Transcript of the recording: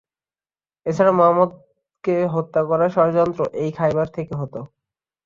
এছাড়া মুহাম্মাদ কে হত্যা করার ষড়যন্ত্র এই খায়বার থেকে হত।